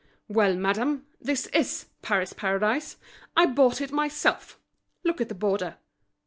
"Well, madame, this is Paris Paradise. I bought it myself! Look at the border."